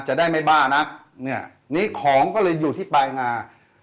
จะได้ไม่บ้านักเนี่ยนี่ของก็เลยอยู่ที่ปลายงา